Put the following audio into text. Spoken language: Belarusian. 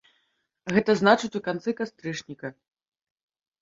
Гэта значыць, у канцы кастрычніка.